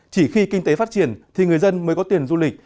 chỉ khi kinh tế phát triển thì người dân mới có tiền du lịch